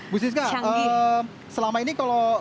bu siska selama ini kalau